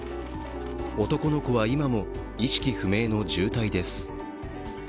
男の子は今も意識不明の重体です。